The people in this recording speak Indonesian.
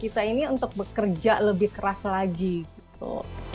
kita ini untuk bekerja lebih keras lagi gitu